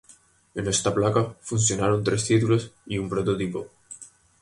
En esta placa funcionaron tres títulos y un prototipo.